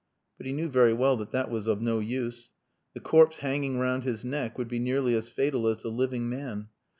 But he knew very well that that was of no use. The corpse hanging round his neck would be nearly as fatal as the living man.